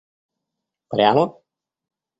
прямо